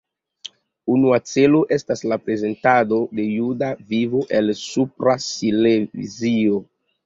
Unua celo estas la prezentado de juda vivo el Supra Silezio.